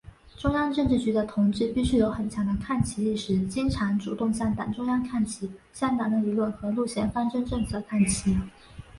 中央政治局的同志必须有很强的看齐意识，经常、主动向党中央看齐，向党的理论和路线方针政策看齐。